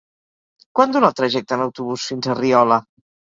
Quant dura el trajecte en autobús fins a Riola?